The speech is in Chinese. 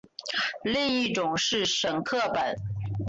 另一种是沈刻本。